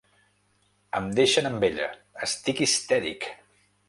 Em deixen amb ella, estic histèric.